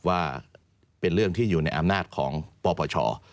ว่าเป็นเรื่องที่อยู่ในอำนาจของปปช